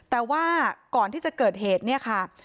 พี่สาวบอกว่าไม่ได้ไปกดยกเลิกรับสิทธิ์นี้ทำไม